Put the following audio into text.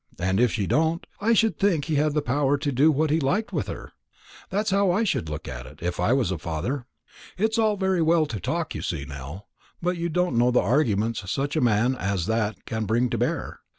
and if she don't, I should think he had the power to do what he liked with her. That's how I should look at it, if I was a father. It's all very well to talk, you see, Nell, but you don't know the arguments such a man as that can bring to bear.